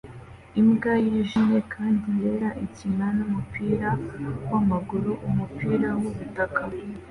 Imbwa yijimye kandi yera ikina numupira wamaguru umupira wubutaka